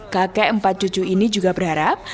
kakek empat cucu ini juga berharap